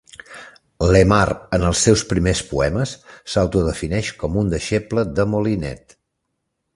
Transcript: Lemaire en els seus primers poemes s"auto-defineix com un deixeble de Molinet.